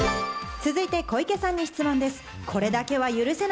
続いて小池さんに質問です。